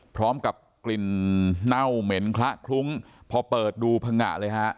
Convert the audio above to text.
พร้อมกับกลิ่นเน่าเหม็นคละคลุ้งพอเปิดดูพังงะเลยฮะ